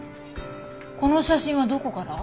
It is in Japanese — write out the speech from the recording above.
この写真はどこから？